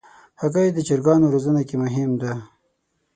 هګۍ د چرګانو روزنه کې مهم ده.